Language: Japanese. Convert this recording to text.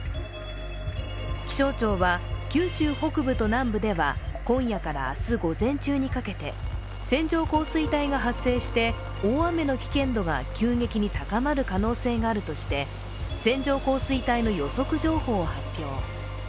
気象庁は九州北部と南部では今夜から明日午前中にかけて線状降水帯が発生して大雨の危険度が急激に高まる可能性があるとして線状降水帯の予測情報を発表。